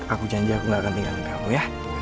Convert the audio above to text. aku janji aku gak akan tinggalin kamu ya